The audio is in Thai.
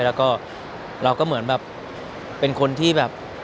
แล้วก็เราก็เหมือนแบบเป็นคนที่แบบ